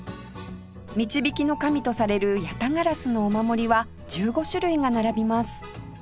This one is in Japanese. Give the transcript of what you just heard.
導きの神とされる八咫烏のお守りは１５種類が並びます